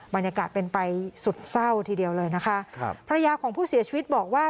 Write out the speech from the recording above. บรรยากาศเป็นไปสุดเศร้าทีเดียวเลยนะคะครับภรรยาของผู้เสียชีวิตบอกว่า